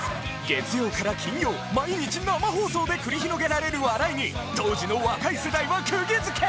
月曜から金曜毎日生放送で繰り広げられる笑いに当時の若い世代は釘付け！